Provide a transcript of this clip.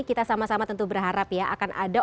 kita sama sama tentu berharap ya akan ada